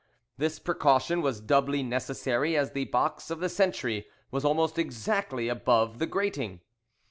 This precaution was doubly necessary as the box of the sentry was almost exactly above the grating.